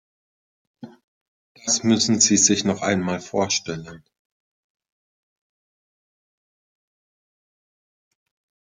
Das müssen Sie sich einmal vorstellen!